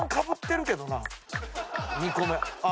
２個目。